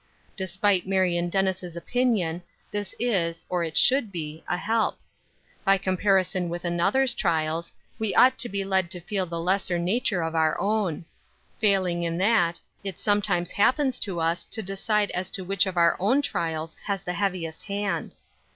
Despite Marion Den nis' opinion, this is — or it should be — a help. By comparison with other's trials, we ought to be led to feel the lesser nature of our own. Fail ing in that, it sometimes happens to us to decide as to which of our own trials has the heaviest hand.